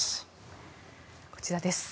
こちらです。